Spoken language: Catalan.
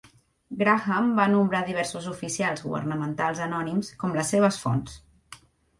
Graham va nombrar a diversos oficials governamentals anònims com les seves fonts.